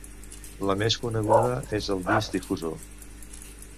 La més coneguda és el Disc difusor.